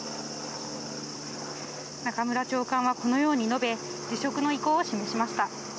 中村長官はこのように述べ、辞職の意向を示しました。